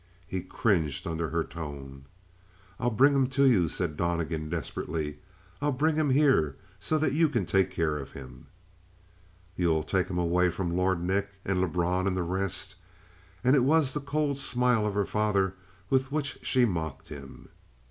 He cringed under her tone. "I'll bring him to you," said Donnegan desperately. "I'll bring him here so that you can take care of him." "You'll take him away from Lord Nick and Lebrun and the rest?" And it was the cold smile of her father with which she mocked him.